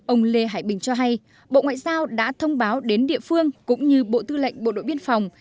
ông lê hải bình cho hay bộ ngoại giao đã thông báo đến địa phương cũng như bộ tư lệnh bộ đội biên phòng